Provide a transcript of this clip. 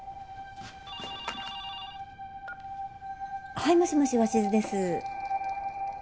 はいもしもし鷲津です。